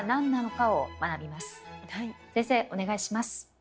先生お願いします。